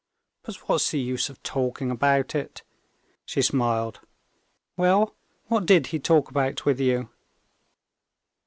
But what's the use of talking about it?" She smiled. "Well, what did he talk about with you?"